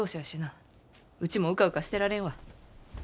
ウチもうかうかしてられんわ。